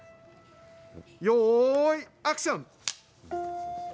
よーいアクション！